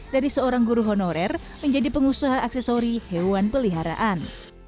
dari seorang guru honorer menjadi pengusaha aksesori hewan peliharaan